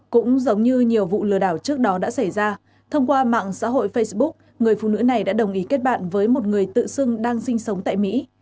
cũng giống như nhiều vụ lừa đảo trước đó đã xảy ra thông qua mạng xã hội facebook người phụ nữ này đã đồng ý kết bạn với một người tự xưng đang sinh sống tại mỹ